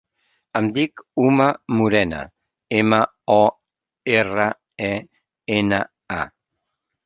Em dic Uma Morena: ema, o, erra, e, ena, a.